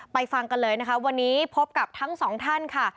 ฟังกันเลยนะคะวันนี้พบกับทั้งสองท่านค่ะ